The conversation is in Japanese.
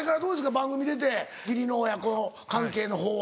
番組出て義理の親子関係の方は。